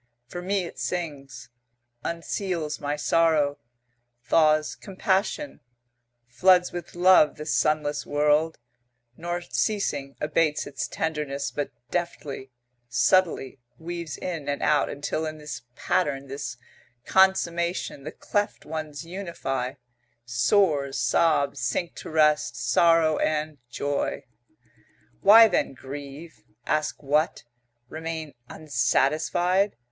For me it sings, unseals my sorrow, thaws compassion, floods with love the sunless world, nor, ceasing, abates its tenderness but deftly, subtly, weaves in and out until in this pattern, this consummation, the cleft ones unify; soar, sob, sink to rest, sorrow and joy. Why then grieve? Ask what? Remain unsatisfied?